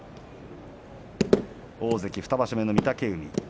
大関２場所目の御嶽海